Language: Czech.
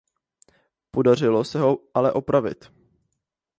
Podařilo se ho ale opravit.